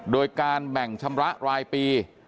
โดยการแบ่งชำระรายปี